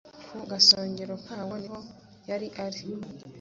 Ku gasongero kawo niho yari ari